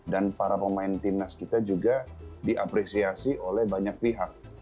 dan para pemain timnas kita juga diapresiasi oleh banyak pihak